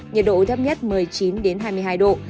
nhiệt độ thấp nhất một mươi chín hai mươi hai độ